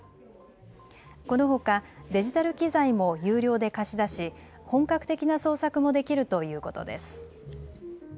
このほかデジタル機材も有料で貸し出し、本格的な創作もできるということです。